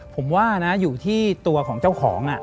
ผมว่านะอยู่ที่ตัวของเจ้าของ